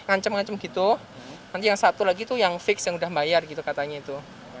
ngancem ngancem gitu nanti yang satu lagi itu yang fix yang udah bayar gitu katanya itu